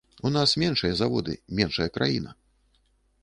У нас меншыя заводы, меншая краіна.